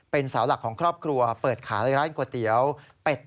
เป็นสาวหลักของครอบครัวเปิดขายในร้านก๋วยเตี๋ยวเป็ด